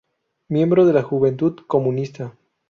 Miembro de la Juventud Comunista.